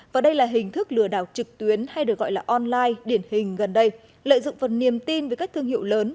và đây là hình thức lừa đảo trực tuyến hay được gọi là online điển hình gần đây lợi dụng phần niềm tin với các thương hiệu lớn